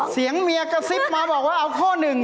เสียงเมียกระซิบมาบอกว่าเอาข้อหนึ่ง